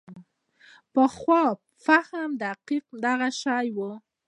پخوانو فهم دقیقاً دغه شی و.